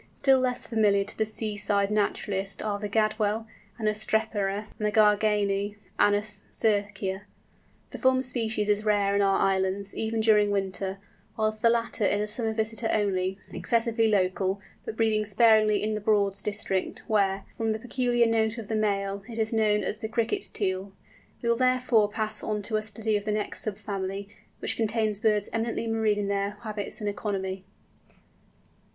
Still less familiar to the sea side naturalist are the Gadwall Anas strepera, and the Garganey Anas circia. The former species is rare in our islands, even during winter, whilst the latter is a summer visitor only, excessively local, but breeding sparingly in the Broads District, where, from the peculiar note of the male, it is known as the "Cricket Teal." We will, therefore, pass on to a study of the next sub family, which contains birds eminently marine in their habits and economy.